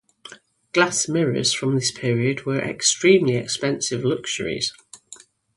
Glass mirrors from this period were extremely expensive luxuries.